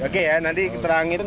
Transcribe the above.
oke ya nanti terangin